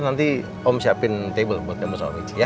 nanti om siapin table buat temen sama michi ya